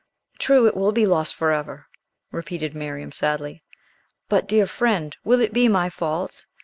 "True; it will be lost forever!" repeated Miriam sadly. "But, dear friend, will it be my fault?